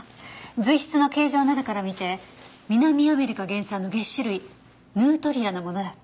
髄質の形状などから見て南アメリカ原産の齧歯類ヌートリアのものだった。